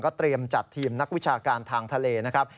เตรียมจัดทีมนักวิชาการทางทะเลนะครับ